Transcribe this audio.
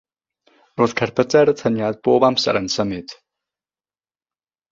Roedd cerbydau'r atyniad bob amser yn symud.